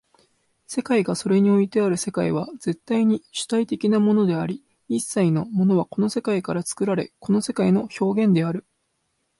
世界がそれにおいてある世界は絶対に主体的なものであり、一切のものはこの世界から作られ、この世界の表現である。